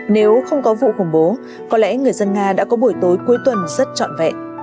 nếu không có vụ khủng bố có lẽ người dân nga đã có buổi tối cuối tuần rất trọn vẹn